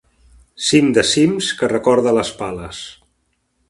Cim de cims que recorda les pales.